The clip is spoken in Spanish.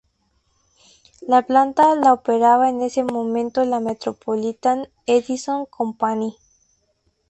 La planta la operaba en ese momento la Metropolitan Edison Company.